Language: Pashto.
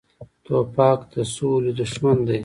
توپک د سولې دښمن دی.